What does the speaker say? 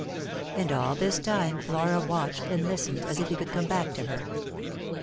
And all this time Flora watched and listened as if he could come back to her.